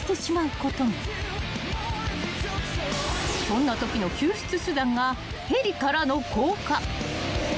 ［そんなときの救出手段がヘリからの降下］